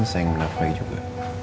saya yang menafkai juga